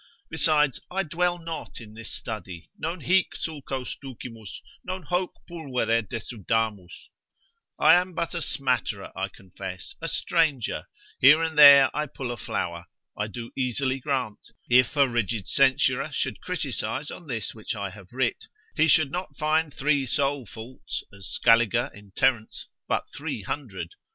Besides, I dwell not in this study, Non hic sulcos ducimus, non hoc pulvere desudamus, I am but a smatterer, I confess, a stranger, here and there I pull a flower; I do easily grant, if a rigid censurer should criticise on this which I have writ, he should not find three sole faults, as Scaliger in Terence, but three hundred.